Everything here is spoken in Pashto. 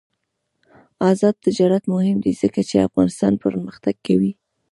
آزاد تجارت مهم دی ځکه چې افغانستان پرمختګ کوي.